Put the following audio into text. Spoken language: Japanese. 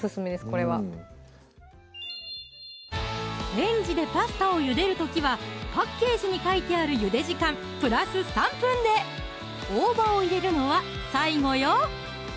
これはレンジでパスタをゆでる時はパッケージに書いてあるゆで時間＋３分で大葉を入れるのは最後よ！